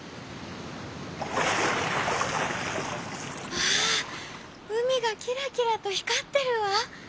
「まあうみがキラキラとひかってるわ！